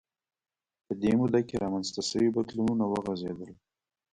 په دې موده کې رامنځته شوي بدلونونه وغځېدل